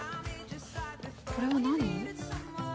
これは何？